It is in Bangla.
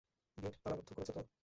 গেট তালাবদ্ধ করেছো তো?